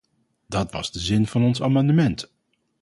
Dat was de zin van ons amendement.